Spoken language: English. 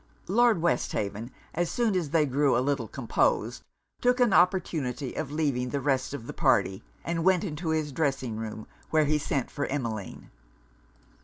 Lord Westhaven, as soon as they grew a little composed, took an opportunity of leaving the rest of the party; and went into his dressing room, where he sent for Emmeline.